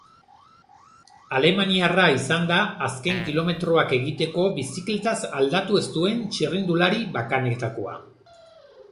Alemaniarra izan da azken kilometroak egiteko bizikletaz aldatu ez duen txirrindulari bakanetakoa.